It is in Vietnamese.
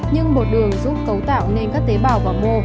nhưng bột đường giúp cấu tạo nên các tế bào và mô